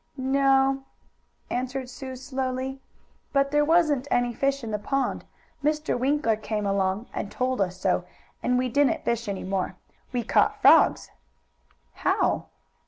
"No," answered Sue slowly. "But there wasn't any fish in the pond. Mr. Winkler came along and told us so, and we didn't fish any more. We caught frogs." "How?"